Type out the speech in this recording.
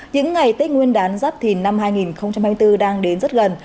những ngày tết nguyên đán giáp thìn năm hai nghìn hai mươi bốn đang đến rất gần